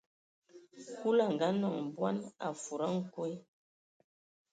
Kulu a ngaanɔŋ bɔn, a fudigi a nkwe.